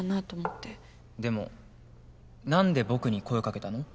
でも何で僕に声掛けたの？